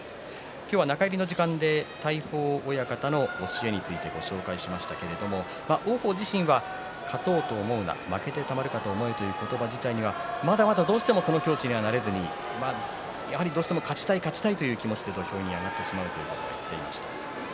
今日は中入りの時間で大鵬親方の教えについてご紹介しましたけれど王鵬自身は勝とうと思うな負けてたまるかと思えという言葉自体はまだまだ境地にはなれずにやはりどうしても勝ちたいという気持ちで土俵に上がってしまうと言っていました。